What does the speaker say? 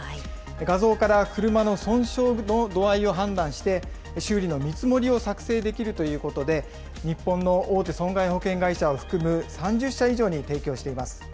画像から車の損傷の度合いを判断して、修理の見積もりを作成できるということで、日本の大手損害保険会社を含む３０社以上に提供しています。